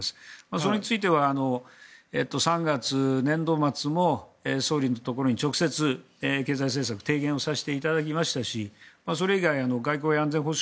それについては３月、年度末も総理のところに直接、経済政策提言をさせていただきましたしそれ以外の外交・安全保障